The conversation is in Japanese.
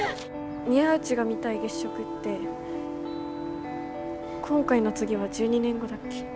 宮内が見たい月食って今回の次は１２年後だっけ？